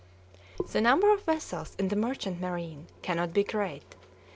The number of vessels in the merchant marine cannot be great.